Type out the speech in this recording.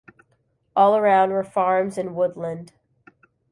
All around were farms and woodland.